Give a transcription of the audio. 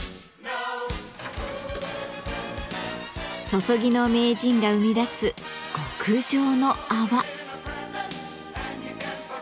「注ぎの名人」が生み出す極上の泡。